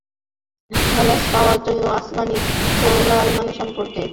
খালাস পাওয়া অন্য আসামি সোলায়মান সম্পর্কে কারাগার কর্তৃপক্ষ কোনো তথ্য দিতে পারেনি।